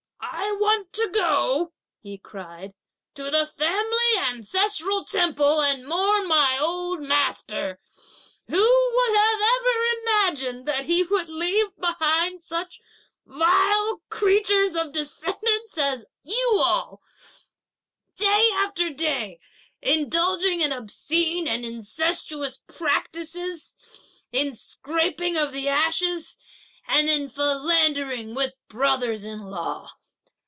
"I want to go," he cried, "to the family Ancestral Temple and mourn my old master. Who would have ever imagined that he would leave behind such vile creatures of descendants as you all, day after day indulging in obscene and incestuous practices, 'in scraping of the ashes' and in philandering with brothers in law.